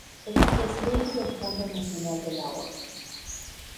Expresidente del Fondo Nacional del Ahorro.